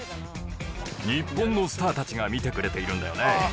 日本のスターたちが見てくれているんだよね？